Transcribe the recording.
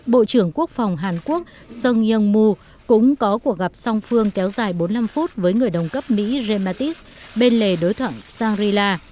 bộ trưởng quốc phòng hàn quốc song yong mu cũng có cuộc gặp song phương kéo dài bốn mươi năm phút với người đồng cấp mỹ james mattis bên lề đối thoại shangri la